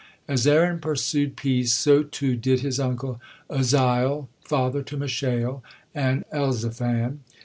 As Aaron pursued peace, so too did his uncle Uzziel, father to Mishael and Elzaphan.